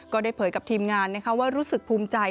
เผยกับทีมงานว่ารู้สึกภูมิใจ